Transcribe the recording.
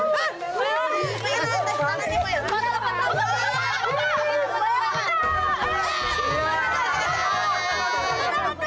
tunggu tunggu tunggu